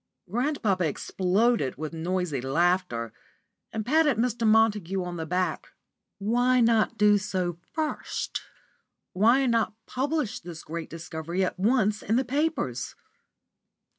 Grandpapa exploded with noisy laughter, and patted Mr. Montague on the back. "Why not do so first?" I asked. "Why not publish this great discovery at once in the papers?"